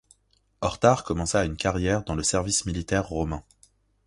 Hortar commença une carrière dans le service militaire romain.